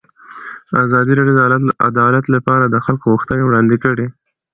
ازادي راډیو د عدالت لپاره د خلکو غوښتنې وړاندې کړي.